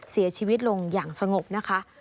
เสียชีวิตลงอย่างสงบนะคะ